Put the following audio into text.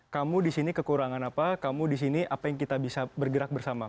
kamu disini kekurangan apa kamu disini apa yang kita bisa bergerak bersama